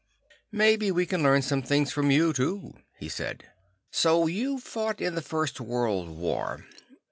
"Maybe we can learn some things from you, too," he said. "So you fought in the First World War.